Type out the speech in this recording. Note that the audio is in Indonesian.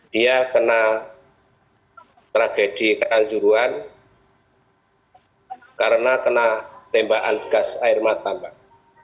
dia kena tragedi kealjuruan karena kena tembakan gas air matahambat